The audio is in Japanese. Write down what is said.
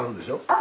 あ！